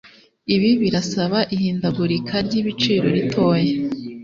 ibi birasaba ihindagurika ry'ibiciro ritoya